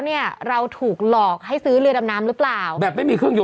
หรือสสมหสรค์